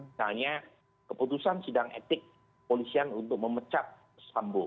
misalnya keputusan sidang etik polisian untuk memecat sambo